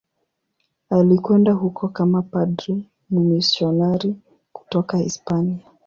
Alikwenda huko kama padri mmisionari kutoka Hispania.